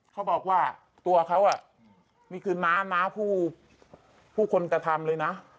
เขาบอกว่าตัวเขานี่คือน้าน้าผู้คนกระทำเลยนะ